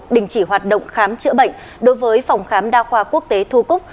đình chỉ hoạt động khám chữa bệnh đối với phòng khám đa khoa quốc tế thu cúc